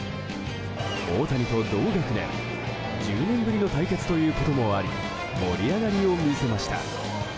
大谷と同学年１０年ぶりの対決ということもあり盛り上がりを見せました。